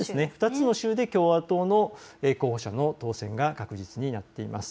２つの州で共和党の候補者の当選が確実になっています。